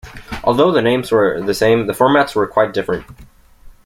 Although the names were the same, the formats were quite different.